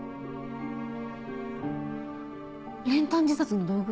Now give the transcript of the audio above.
練炭自殺の道具？